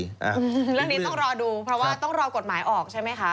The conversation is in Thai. เรื่องนี้ต้องรอดูเพราะว่าต้องรอกฎหมายออกใช่ไหมคะ